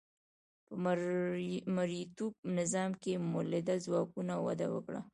په مرئیتوب نظام کې مؤلده ځواکونو وده وکړه.